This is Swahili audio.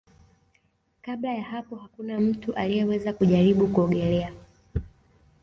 Kabla ya hapo hakuna mtu aliyeweza kujaribu kuogelea